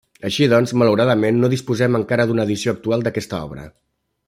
Així doncs, malauradament, no disposem encara d’una edició actual d’aquesta obra.